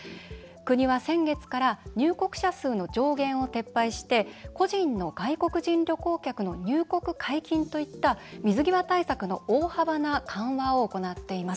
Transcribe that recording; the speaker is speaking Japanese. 国は先月から入国者数の上限を撤廃して個人の外国人旅行客の入国解禁といった、水際対策の大幅な緩和を行っています。